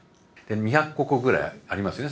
２００か国ぐらいありますよね